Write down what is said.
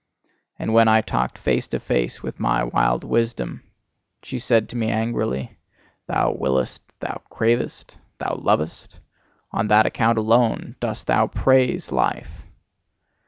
And when I talked face to face with my wild Wisdom, she said to me angrily: "Thou willest, thou cravest, thou lovest; on that account alone dost thou PRAISE Life!"